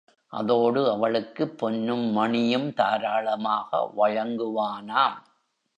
அதோடு அவளுக்கு பொன்னும் மணியும் தாராளமாக வழங்குவானாம்.